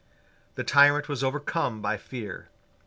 The tyrant was overcome by fear.